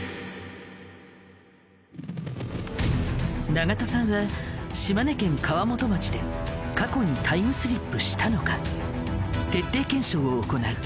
長門さんは島根県川本町で過去にタイムスリップしたのか徹底検証を行なう。